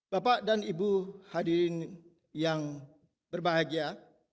bapak dan ibu hadirin yang berbahagia